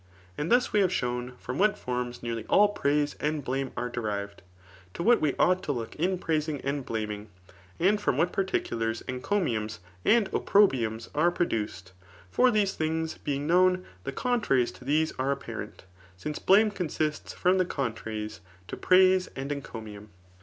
And thus we have shown firom what forms nearly all praise and blame are derived^ to what we ought to locJc in praising and Uaming, and from what particulars encomiums and opprobriums are ]»>• dttcedk For these things bdng known, the con|raries to these ire af)pare&t ; since bhme consists from the con^ traiies [to praise and encomium.